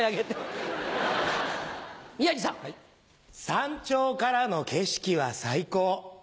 山頂からの景色は最高。